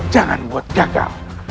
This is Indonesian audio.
jangan buat gagal